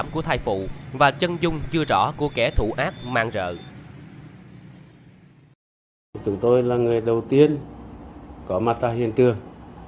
chúng tôi là người đầu tiên có mặt tại hiện trường